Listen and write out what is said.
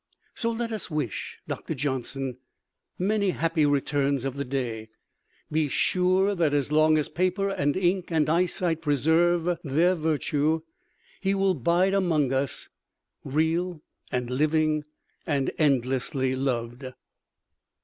So let us wish Doctor Johnson many happy returns of the day, sure that as long as paper and ink and eyesight preserve their virtue he will bide among us, real and living and endlessly loved.